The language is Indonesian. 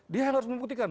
dia yang harus membuktikan